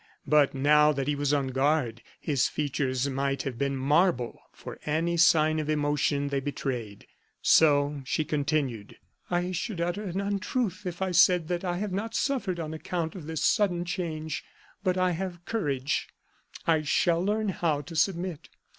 But now that he was on guard, his features might have been marble for any sign of emotion they betrayed. So she continued: "'I should utter an untruth if I said that I have not suffered on account of this sudden change. But I have courage; I shall learn how to submit.